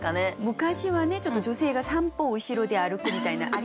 昔はねちょっと女性が３歩後ろで歩くみたいなありました？